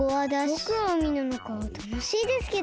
ぼくはうみのなかたのしいですけどね。